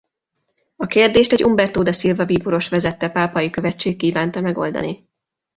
A kérdést egy Umberto da Silva bíboros vezette pápai követség kívánta megoldani.